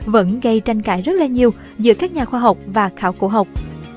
vẫn gây tranh cãi rất là nhiều giữa các nhà khoa học và khảo cổ học